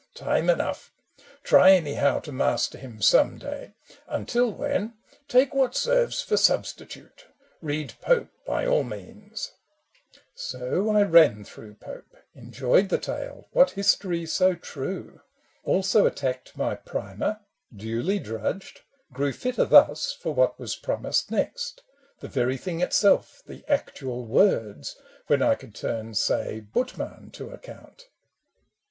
Time enough I Try, anyhow, to master him some day ; Until when, take what serves for substitute, Read Pope, by all means !" So I ran through Pope, Enjoyed the tale — what history so true ? Also attacked my Primer, duly drudged, Grew fitter thus for what was promised next — 126 ASOLANDO: The very thing itself, the actual words, When I could turn^say, Buttmann to account.